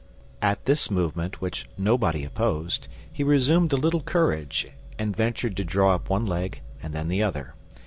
At this movement, which nobody opposed, he resumed a little courage, and ventured to draw up one leg and then the other.